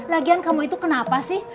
lagian kamu itu kenapa sih